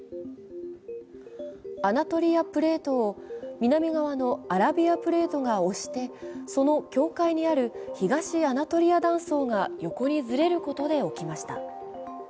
アナトリア・プレートを南側のアラビア・プレートが押してその境界にある東アナトリア断層が横にずれることで起きました。